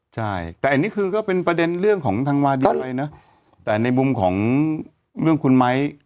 ใช่แต่อันนี้คือก็เป็นประเด็นเรื่องของทางวาดีเลยนะแต่ในมุมของเรื่องคุณไม้